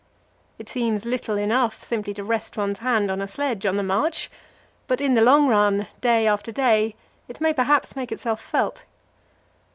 It seems little enough simply to rest one's hand on a sledge on the march, but in the long run, day after day, it may perhaps make itself felt.